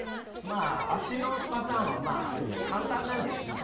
ワシのパターンは簡単なんでいうとこれ。